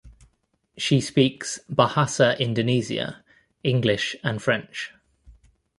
She speaks Bahasa Indonesia, English and French.